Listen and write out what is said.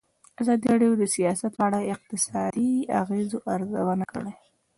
ازادي راډیو د سیاست په اړه د اقتصادي اغېزو ارزونه کړې.